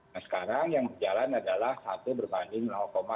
sekarang yang berjalan adalah satu berbanding enam puluh lima